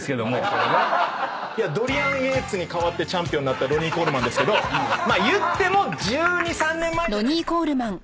ドリアン・イエーツに代わってチャンピオンになったロニー・コールマンですけど言っても１２１３年前じゃないですか。